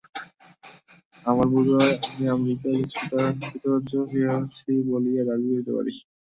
আমার বোধ হয়, আমি আমেরিকায় কিছুটা কৃতকার্য হইয়াছি বলিয়া দাবী করিতে পারি।